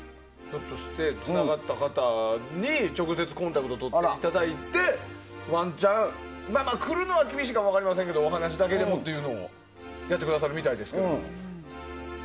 つながった方に直接コンタクトとっていただいてワンチャン来るのは厳しいかもしれませんがお話だけでもというのをやってくださるみたいですけど。